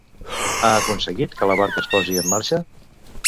Ha aconseguit que la barca es posi en marxa?